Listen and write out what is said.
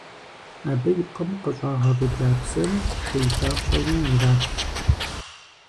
Абы и пкъым къыщӏагъэвыкӏа псыр шей папщӏэуи ираф.